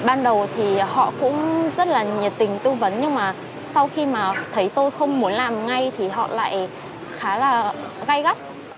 ban đầu thì họ cũng rất là nhiệt tình tư vấn nhưng mà sau khi mà thấy tôi không muốn làm ngay thì họ lại khá là gây gắt